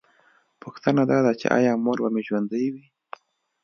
پوښتنه دا ده چې ایا مور به مې ژوندۍ وي